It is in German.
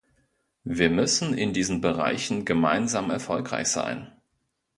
Wir müssen in diesen Bereichen gemeinsam erfolgreich sein.